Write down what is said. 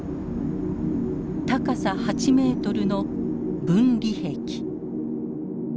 高さ８メートルの分離壁。